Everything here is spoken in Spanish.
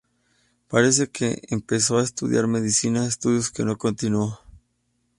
Parece que empezó a estudiar medicina, estudios que no continuó.